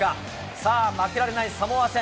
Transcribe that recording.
さあ、負けられないサモア戦。